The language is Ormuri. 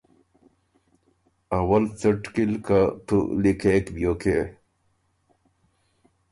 اول څَټ کی ل که تُو لیکېک بیوکې